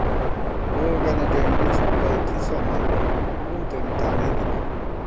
لوگَنی ڈېنڈی چِپِلَئ تھِسہ نئیبہ بُم تونی تانئ دِبہ